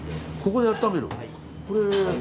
ここであっためる？